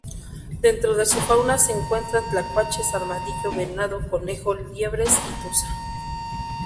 Dentro de su fauna se encuentran tlacuaches, armadillo, venado, conejo, liebres y tuza.